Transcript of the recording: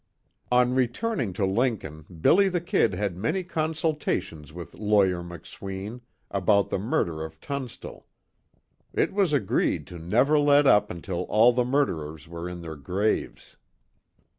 On returning to Lincoln, "Billy the Kid" had many consultations with Lawyer McSween about the murder of Tunstall. It was agreed to never let up until all the murderers were in their graves.